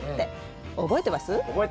覚えてます！